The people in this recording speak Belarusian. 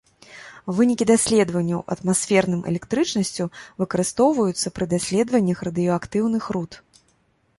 Вынікі даследаванняў атмасферным электрычнасцю выкарыстоўваюцца пры даследаваннях радыеактыўных руд.